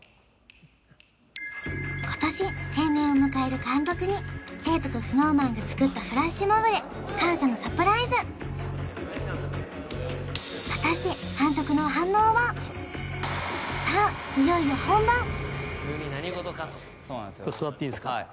今年定年を迎える監督に生徒とＳｎｏｗＭａｎが作ったフラッシュモブで感謝のサプライズ果たしてさあいよいよ急に何事かと座っていいですか？